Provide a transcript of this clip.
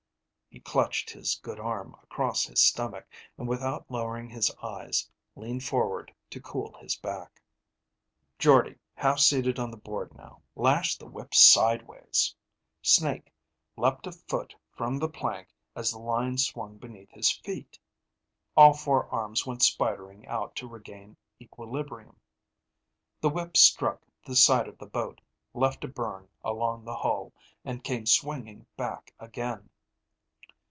He clutched his good arm across his stomach, and without lowering his eyes, leaned forward to cool his back. Jordde, half seated on the board now, lashed the whip sideways. Snake leaped a foot from the plank as the line swung beneath his feet. All four arms went spidering out to regain equilibrium. The whip struck the side of the boat, left a burn along the hull, and came swinging back again.